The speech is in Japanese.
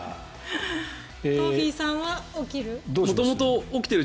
トンフィさんは起きる？